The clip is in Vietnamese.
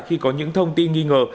khi có những thông tin nghi ngờ